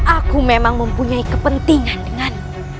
aku memang mempunyai kepentingan denganmu